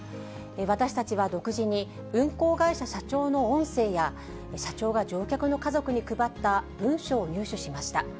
私たちは独自に、運航会社社長の音声や、社長が乗客の家族に配った文書を入手しました。